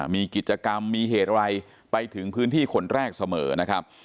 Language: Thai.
มีกิจกรรมมีเหตุอะไรไปถึงพื้นที่คนแรกเสมอนะครับ